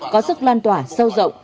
có sức loan tỏa sâu rộng